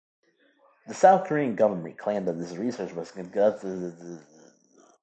The South Korean government claimed that this research was conducted without its knowledge.